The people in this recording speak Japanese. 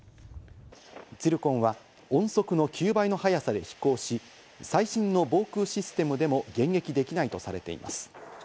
ツィルコンは音速の９倍の速さで飛行し、最新の防空システムでも迎撃できないとされています。